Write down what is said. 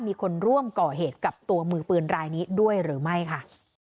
มีคนร่วมก่อเหตุกับตัวมือปืนรายนี้ด้วยหรือไม่ค่ะ